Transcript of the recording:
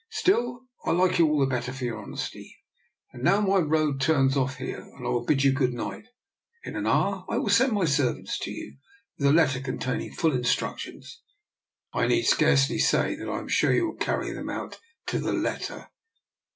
Still, I like you all the better for your honesty. Now my road turns off here, and I will bid you good night. In an hour I will send my servant to you with a letter containing full instructions. I need scarcely say that I am sure you will carry them out to the letter."